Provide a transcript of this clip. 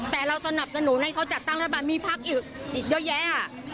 แต่เราสนับสนุนให้เขาจัดตั้งรัฐบาลมีพักอีกเยอะแยะ